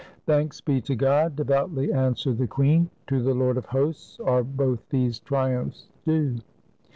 "Thanks be to God," devoutly answered the queen. "To the Lord of Hosts are both these triumphs due!"